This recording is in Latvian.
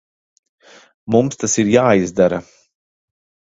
Mums tas ir jāizdara.